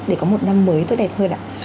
để có một năm mới tốt đẹp hơn ạ